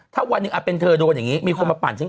ถ้าวันหนึ่งเป็นเธอโดนอย่างนี้มีคนมาปั่นฉัน